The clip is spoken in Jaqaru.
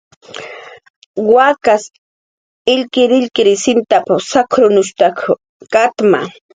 "Wakas illkirillkir sintap"" sakrunshtak katma"